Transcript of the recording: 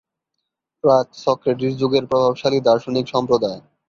প্রাক সক্রেটিস যুগের প্রভাবশালী দার্শনিক সম্প্রদায়।